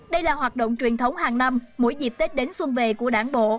đây là hoạt động truyền thống hàng năm mỗi dịp tết đến xuân về của đảng bộ